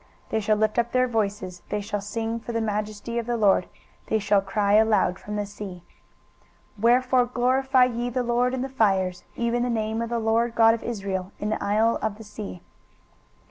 23:024:014 They shall lift up their voice, they shall sing for the majesty of the LORD, they shall cry aloud from the sea. 23:024:015 Wherefore glorify ye the LORD in the fires, even the name of the LORD God of Israel in the isles of the sea.